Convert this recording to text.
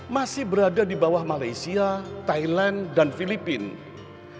masih berada di bawah malaysia thailand dan filipina